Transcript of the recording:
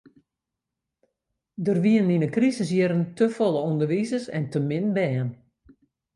Der wienen yn de krisisjierren te folle ûnderwizers en te min bern.